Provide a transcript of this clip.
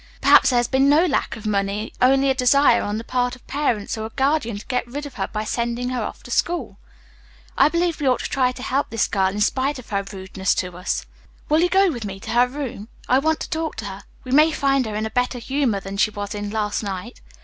Perhaps there has been no lack of money, only a desire on the part of parents or a guardian to get rid of her by sending her off to school. I believe we ought to try to help this girl in spite of her rudeness to us. Will you go with me to her room? I want to talk to her. We may find her in a better humor than she was in last night.